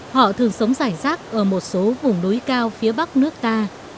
họ thường sống giải rác ở một số vùng núi cao phía bắc nước ta